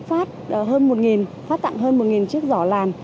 phát tặng hơn một chiếc giỏ làn